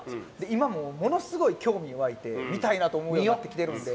今もうものすごい興味湧いて見たいなと思うようになってきてるんで。